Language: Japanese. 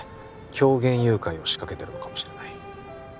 狂言誘拐を仕掛けてるのかもしれない